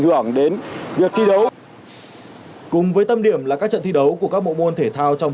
hưởng đến việc thi đấu cùng với tâm điểm là các trận thi đấu của các bộ môn thể thao trong